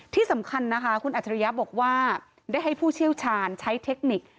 ที่สำคัญนะคะคุณอัจฉริยะบอกว่าได้ให้ผู้เชี่ยวชาญใช้เทคนิค